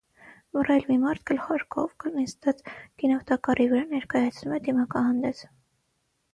Մռայլ մի մարդ գլխարկով, նստած գինով տակառի վրա, ներկայացնում է դիմակահանդեսը։